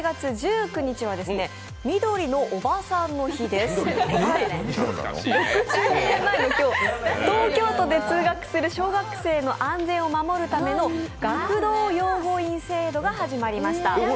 ６２年前の今日、東京都で通学する小学生の安全を守るための学童擁護員制度が始まりました。